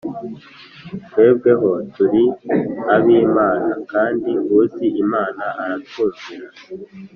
twebweho, turi ab'Imana; kandi uzi Imana aratwumvira,